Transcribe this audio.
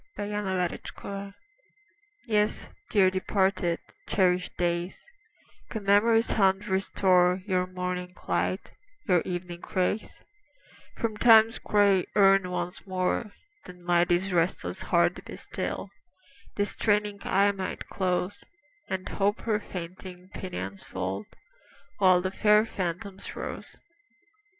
DEPARTED DAYS YES, dear departed, cherished days, Could Memory's hand restore Your morning light, your evening rays, From Time's gray urn once more, Then might this restless heart be still, This straining eye might close, And Hope her fainting pinions fold, While the fair phantoms rose.